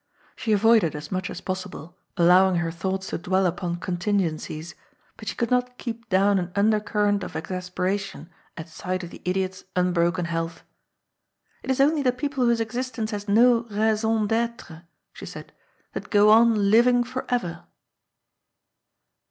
She avoided as much as possible allowing her thoughts to dwell upon contingencies, but she could not keep down an undercurrent of exasperation at sight of the idiot's un broken health. " It is only the people whose existence has no raison d'etre," she said, " that go on living forever."